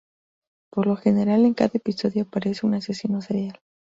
Por lo general, en cada episodio aparece un asesino serial.